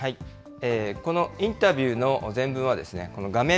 このインタビューの全文はこの画面